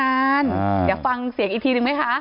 เดี๋ยวฟังเสียงอีกทีหนึ่งไหมคะ